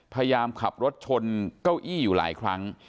พยายามขับรถชนเก้าอี้อยู่หลายครั้ง